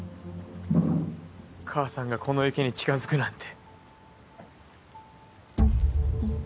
母さんがこの池に近づくなんて。